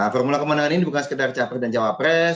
formula kemenangan ini bukan sekedar capres dan cawapres